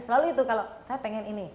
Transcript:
selalu itu kalau saya pengen ini